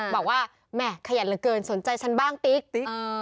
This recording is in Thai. บอกว่าแหม่ขยันเหลือเกินสนใจฉันบ้างติ๊กติ๊ก